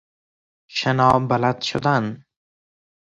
شنا بلد شدن